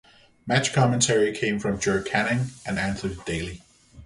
Match commentary came from Ger Canning and Anthony Daly.